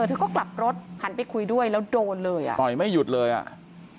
เธอก็กลับรถหันไปคุยด้วยแล้วโดนเลยอ่ะต่อยไม่หยุดเลยอ่ะ